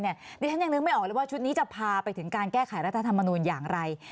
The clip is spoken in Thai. ดิฉันยังนึกไม่ออกเลยว่าชุดนี้จะพาไปถึงการแก้ไขรัฐธรรมนูลอย่างไร